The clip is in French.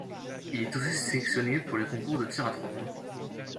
Il est aussi sélectionné pour le concours de tir à trois points.